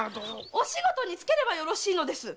お仕事に就ければよろしいのです！